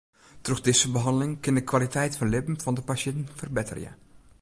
Troch dizze behanneling kin de kwaliteit fan libben fan de pasjinten ferbetterje.